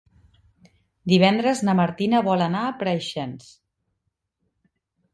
Divendres na Martina vol anar a Preixens.